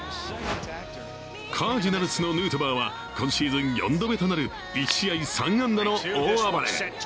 カージナルスのヌートバーは今シーズン４度目となる１試合３安打の大暴れ。